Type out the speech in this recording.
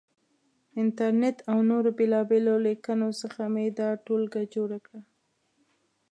انټرنېټ او نورو بېلابېلو لیکنو څخه مې دا ټولګه جوړه کړه.